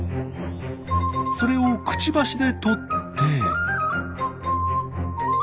それをくちばしでとって。